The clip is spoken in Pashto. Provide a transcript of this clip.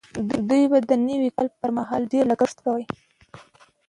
دوی د نوي کال پر مهال ډېر لګښت کوي.